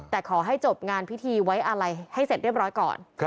แต่ขอให้จบงานพิธีไว้อะไรให้เสร็จเรียบร้อยก่อน